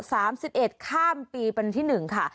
สามสิบเอ็ดข้ามปีเป็นที่หนึ่งค่ะ